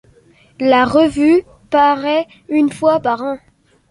La revue parait une fois par an.